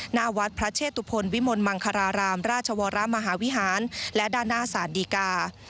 หน้าวัดพระเชธุพลวิมนมังคระรามราชวรมหาวิหารและดานะคะสถานดีการ์